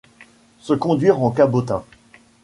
Se conduire en cabotin.